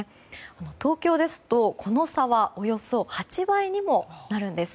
東京ですと、この差はおよそ８倍にもなります。